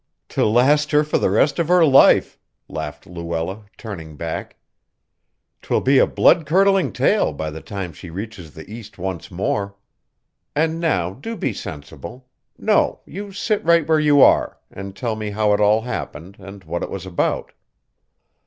"To last her for the rest of her life," laughed Luella, turning back. "'Twill be a blood curdling tale by the time she reaches the East once more. And now do be sensible no, you sit right where you are and tell me how it all happened, and what it was about."